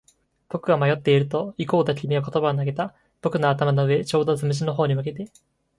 僕が迷っていると、行こうと君は言葉を投げた。僕の頭の上、ちょうどつむじの方に向けて。